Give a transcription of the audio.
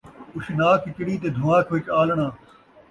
اُشناک چڑی تے دھوانکھ وچ آلݨاں